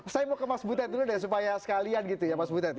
saya mau ke mas butet dulu deh supaya sekalian gitu ya mas butet